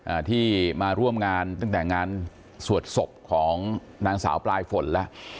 อ่าที่มาร่วมงานตั้งแต่งานสวดศพของนางสาวปลายฝนแล้ว